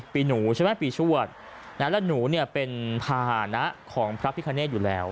ปีหนูใช่ไหมปีชวดแล้วหนูเป็นพาหนะของพระพิฆาเนธอยู่แล้ว